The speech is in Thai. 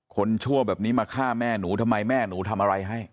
ชั่วแบบนี้มาฆ่าแม่หนูทำไมแม่หนูทำอะไรให้